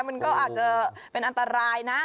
มันก็อาจจะเป็นอันตรายนะ